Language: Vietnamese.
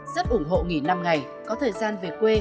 rất ủng hộ nghỉ năm ngày có thời gian về quê